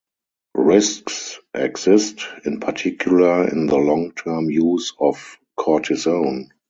Risks exist, in particular in the long-term use of cortisone.